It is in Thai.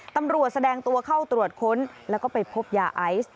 ตำรวจแสดงตัวเข้าตรวจค้นแล้วก็ไปพบยาไอซ์